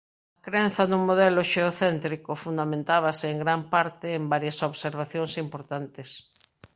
A crenza no modelo xeocéntrico fundamentábase en gran parte en varias observacións importantes.